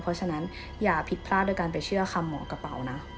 เพราะฉะนั้นอย่าผิดพลาดโดยการไปเชื่อคำหมอกระเป๋านะ